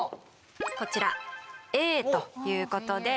こちら「Ａ」ということで。